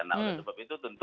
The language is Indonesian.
nah oleh sebab itu tentu